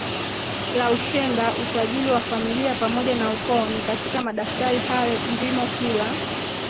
la ushenga usajili wa familia pamoja na ukoo ni katika madaftari hayo ndimo kila